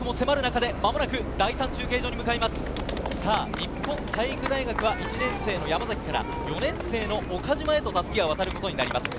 日本体育大学は１年生の山崎から岡島へと襷が渡ることになります。